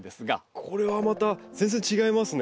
これはまた全然違いますね。